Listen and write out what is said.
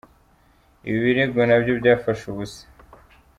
Ibi birego na byo byafashe ubusa.